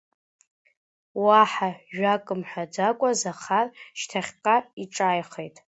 Уаҳа ажәак мҳәаӡакәа Захар шьҭахьҟа иҿааихеит.